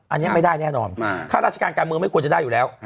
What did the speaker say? อันนี้ไม่ได้แน่นอนค่าราชการการเมืองไม่ควรจะได้อยู่แล้ว